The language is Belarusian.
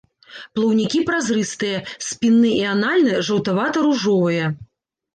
Плаўнікі празрыстыя, спінны і анальны жаўтавата-ружовыя.